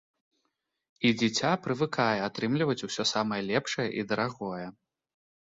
І дзіця прывыкае атрымліваць усё самае лепшае і дарагое.